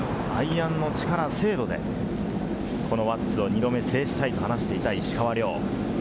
アイアンの力、精度で、この輪厚を２度目、制したいと話していた、石川遼。